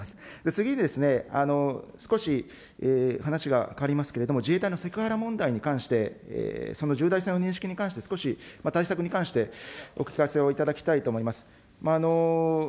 次に少し話が変わりますけれども、自衛隊のセクハラ問題に関して、その重大性の認識について、少し対策に関して、お聞かせをいただきたいと思います。